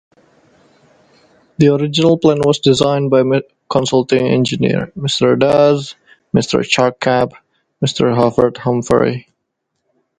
The original plan was designed by consulting engineer; Mr. Dazz, Mr.Charkhab, Mr.Hovard Homfari.